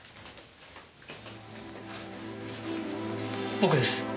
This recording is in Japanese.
僕です。